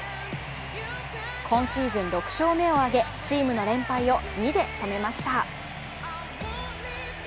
今シーズン６勝目を挙げチームの連敗を２で止めました。